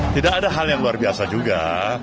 tidak ada hal yang luar biasa juga